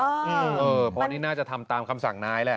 เพราะว่านี่น่าจะทำตามคำสั่งนายแหละ